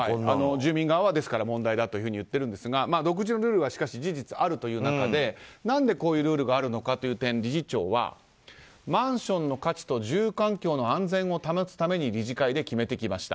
住人側は問題だと言っているんですが独自のルールは事実あるという中で何でこういうルールがあるのかという点理事長は、マンションの価値と住環境の安全を保つために理事会で決めてきました。